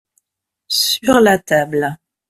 sur la table.